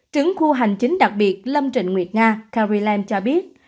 trứng khu hành chính đặc biệt lâm trịnh nguyệt nga carrie lam cho biết